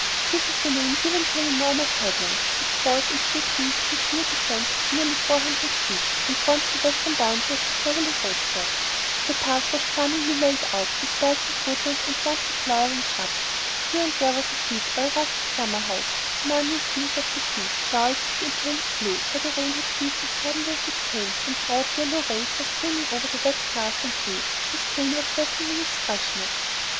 This is the name given to an enormous headland which falls into the sea with a sheer descent of nearly four hundred feet, and forms the western boundary of the Clovelly roadstead. The path was charmingly laid out with belts of woodland and clumps of flowering shrubs. Here and there was a seat or a rustic summer house, commanding views of the sea, now a deep intense blue, for the rain had ceased as suddenly as it came, and broad yellow rays were streaming over the wet grass and trees, whose green was dazzling in its freshness.